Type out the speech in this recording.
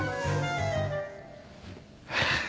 ハァ。